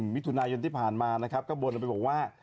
มิถุนายนที่ผ่านมานะครับก็บนลงไปบอกว่า